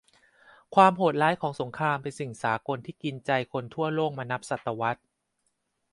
ความโหดร้ายของสงครามเป็นสิ่งสากลที่กินใจคนทั่วโลกมานับศตวรรษ